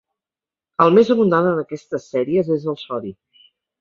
El més abundant en aquestes sèries és el sodi.